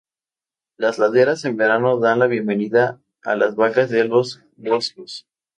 Las laderas en verano dan la bienvenida a las vacas de los Vosgos.